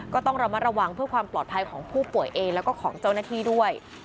ก็ต้องระมัดระวังเพื่อความปลอดภัยของผู้ป่วยเองแล้วก็ของเจ้าหน้าที่ด้วย